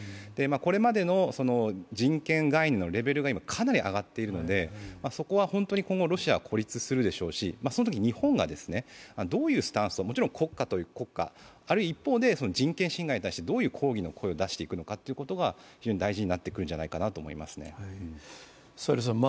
これまでの人権概念のレベルがかなり上がっているのでそこは本当に今後ロシアは孤立するでしょうし、そのとき日本がどういうスタンス、もちろん国家対国家、あるいは人権侵害に対してどういう抗議の声を出していくのか非常に大事になってくるんじゃないかと思います。